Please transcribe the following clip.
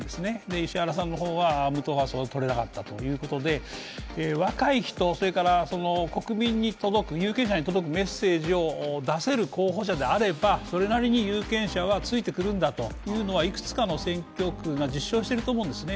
石原さんは無党派層を取れなかったということで若い人、それから国民、有権者に届くメッセージを出せる候補者であれば、それなりに有権者はついてくるんだということをいくつかの選挙区が実証してると思うんですね、